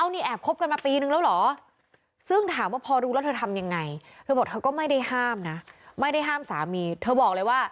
ให้มันตกตายตามกันไปเลย